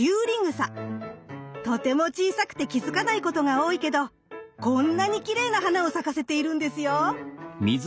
とても小さくて気付かないことが多いけどこんなにきれいな花を咲かせているんですよ。